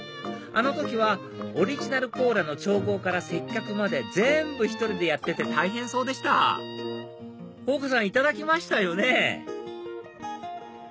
あの時はオリジナルコーラの調合から接客まで全部１人でやってて大変そうでしたほうかさんいただきましたよね